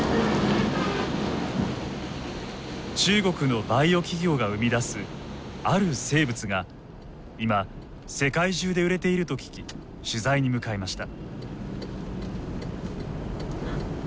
中国のバイオ企業が生み出すある生物が今世界中で売れていると聞き取材に向かいました。